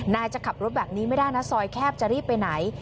จะขับรถแบบนี้ไม่ได้นะซอยแคบจะรีบไปไหน